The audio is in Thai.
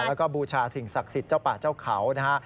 แล้วก็บูชาสิ่งศักดิ์สิทธิ์เจ้าป่าเจ้าเขานะฮะ